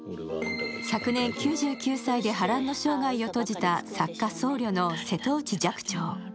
昨年９９歳で波乱の生涯を閉じた作家・僧侶の瀬戸内寂聴。